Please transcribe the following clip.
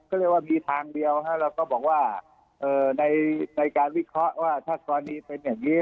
ก็เลยว่ามีทางเดียวเราก็บอกว่าในการวิเคราะห์ว่าถ้ากรณีเป็นอย่างนี้